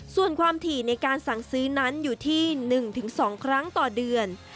ส่วนความถี่ในการสั่งซื้อนั้นอยู่ที่๑๒ครั้งต่อเดือน